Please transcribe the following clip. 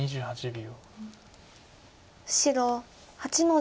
２８秒。